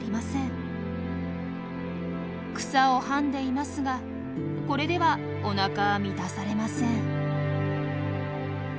草をはんでいますがこれではおなかは満たされません。